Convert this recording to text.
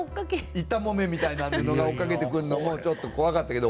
一反木綿みたいな布が追っかけてくるのもちょっと怖かったけど。